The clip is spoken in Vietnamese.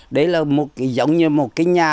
đấy là giống như một cái nhà